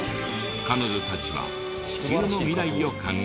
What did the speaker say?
彼女たちは地球の未来を考え